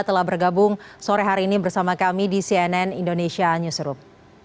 telah bergabung sore hari ini bersama kami di cnn indonesia newsroom